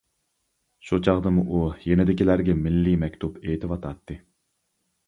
شۇ چاغدىمۇ ئۇ يېنىدىكىلەرگە مىللىي مەكتۇپ ئېيتىۋاتاتتى.